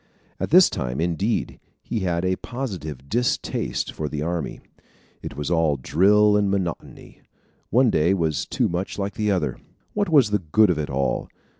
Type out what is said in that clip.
At this time, indeed, he had a positive distaste for the army. It was all drill and monotony. One day was too much like another. What was the good of it all?